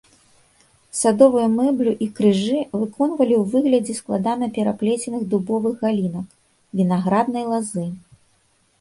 Садовую мэблю і крыжы выконвалі ў выглядзе складана пераплеценых дубовых галінак, вінаграднай лазы.